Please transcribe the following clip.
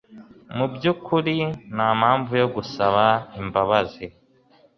Mu byukuri nta mpamvu yo gusaba imbabazi